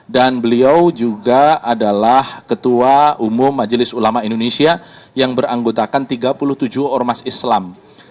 dan beliau juga adalah ketua umum majelis ulama indonesia yang beranggotakan tiga puluh tujuh ormas islam